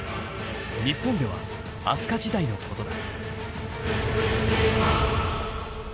日本では飛鳥時代のことだ。